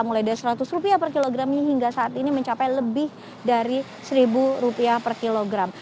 mulai dari rp seratus per kilogramnya hingga saat ini mencapai lebih dari rp satu per kilogram